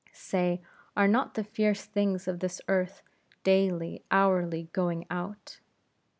Say, are not the fierce things of this earth daily, hourly going out?